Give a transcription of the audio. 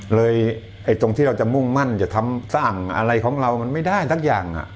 ไอ้ตรงที่เราจะมุ่งมั่นจะทำสร้างอะไรของเรามันไม่ได้สักอย่าง